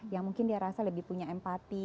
yang mungkin dia rasa lebih punya empati